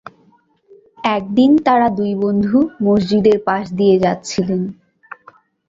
একদিন তারা দুই বন্ধু মসজিদের পাশ দিয়ে যাচ্ছিলেন।